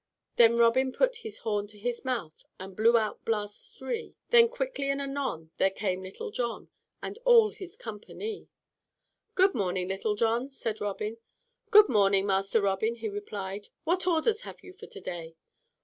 "Then Robin put his horn to his mouth, And blew out blasts three; Then quickly and anon there came Little John, And all his company." "Good morning, Little John," said Robin. "Good morning, Master Robin," he replied. "What orders have you for to day?"